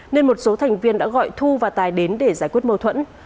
nên một số thành viên đã gọi thu và tài đến để giải quyết mâu thuẫn